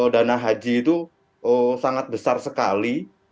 dana haji itu sangat besar sekali